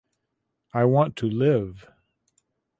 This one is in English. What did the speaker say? I Want to Live!